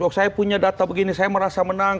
oh saya punya data begini saya merasa menang